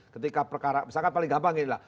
ketika perkara misalkan paling gampang ini lah